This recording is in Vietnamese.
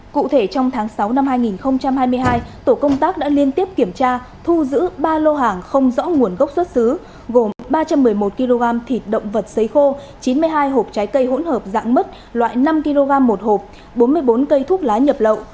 cụ thể trong tháng sáu năm hai nghìn hai mươi hai tổ công tác đã liên tiếp kiểm tra thu giữ ba lô hàng không rõ nguồn gốc xuất xứ gồm ba trăm một mươi một kg thịt động vật xấy khô chín mươi hai hộp trái cây hỗn hợp dạng mứt loại năm kg một hộp bốn mươi bốn cây thuốc lá nhập lậu